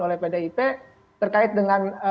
oleh pdip terkait dengan